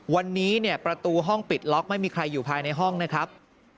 วันนี้เนี่ยประตูห้องปิดล็อกไม่มีใครอยู่ภายในห้องนะครับ